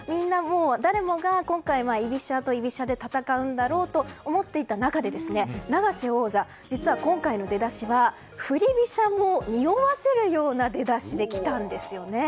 誰もが今回、居飛車と居飛車で戦うと思っていた中、永瀬王座は実は今回の出だしは振り飛車をにおわせるような出だしで来たんですよね。